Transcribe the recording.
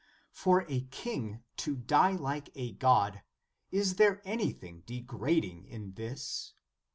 ^ For a king to die like a God; is there any thing degrading in this?